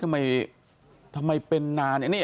เฮ้ยทำไมเป็นนานเนี่ย